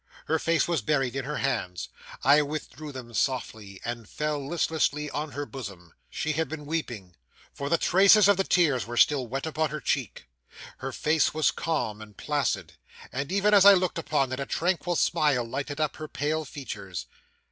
Her face was buried in her hands. I withdrew them softly, and they fell listlessly on her bosom. She had been weeping; for the traces of the tears were still wet upon her cheek. Her face was calm and placid; and even as I looked upon it, a tranquil smile lighted up her pale features.